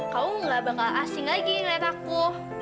kamu ga bakal asing lagi ngeliat aku